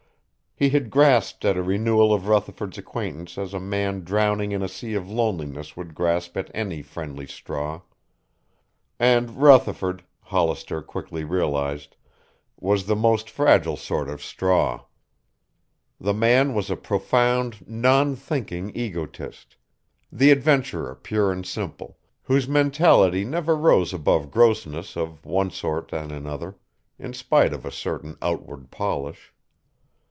He had grasped at a renewal of Rutherford's acquaintance as a man drowning in a sea of loneliness would grasp at any friendly straw. And Rutherford, Hollister quickly realized, was the most fragile sort of straw. The man was a profound, non thinking egotist, the adventurer pure and simple, whose mentality never rose above grossness of one sort and another, in spite of a certain outward polish.